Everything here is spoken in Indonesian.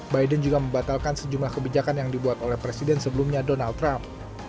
biden juga membatalkan sejumlah kebijakan yang dibuat oleh presiden sebelumnya donald trump